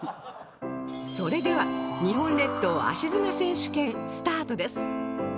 それでは日本列島足砂選手権スタートです